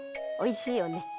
おいしいよね。